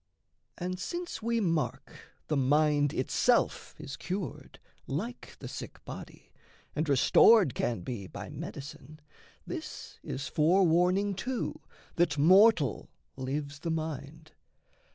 And, since we mark the mind itself is cured, Like the sick body, and restored can be By medicine, this is forewarning too That mortal lives the mind.